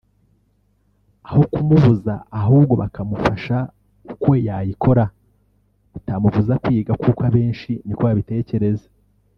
aho kumubuza ahubwo bakamufasha uko yayikora bitamubuza kwiga kuko abenshi niko babitekereza